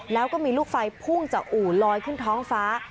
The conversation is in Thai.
แล้วก็มีลูกไฟพุ่งจากอู่ลอยขึ้นท้องฟ้า